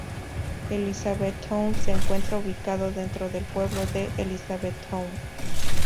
Elizabethtown se encuentra ubicada dentro del pueblo de Elizabethtown.